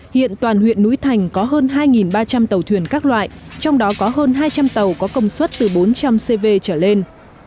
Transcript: hiện toàn huyện núi thành có hơn hai ba trăm linh tàu thuyền các loại trong đó có hơn hai trăm linh tàu có công suất từ bốn trăm linh cv trở lên